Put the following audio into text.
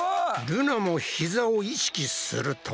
ルナもひざを意識すると。